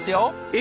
え！